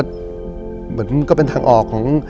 เหมือนก็เป็นทางออกของ